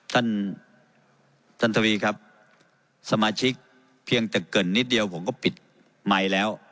ท่านท่านทวีครับสมาชิกเพียงแต่เกินนิดเดียวผมก็ปิดไมค์แล้ว